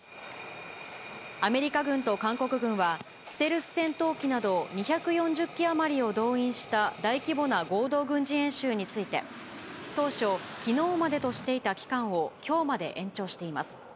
アメリカ軍と韓国軍は、ステルス戦闘機など２４０機余りを動員した大規模な合同軍事演習について、当初、きのうまでとしていた期間をきょうまで延長しています。